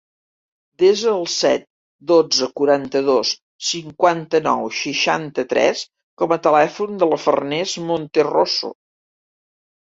Desa el set, dotze, quaranta-dos, cinquanta-nou, seixanta-tres com a telèfon de la Farners Monterroso.